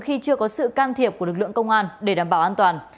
khi chưa có sự can thiệp của lực lượng công an để đảm bảo an toàn